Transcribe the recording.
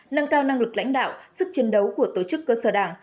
nâng cao năng lực lãnh đạo sức chiến đấu của tổ chức cơ sở đảng